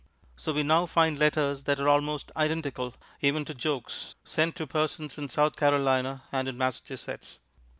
So, we now find letters that are almost identical, even to jokes, sent to persons in South Carolina and in Massachusetts.